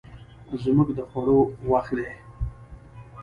زموږ د خوړو وخت دی